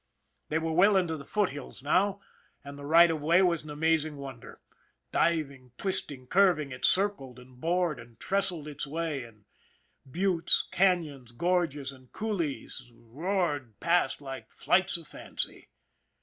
They were well into the foothills now, and the right of way was an amazing wonder. Diving, twisting, curving, it circled and bored and trestled its way, and buttes, canons, gorges and coulees roared past like flights of fancy.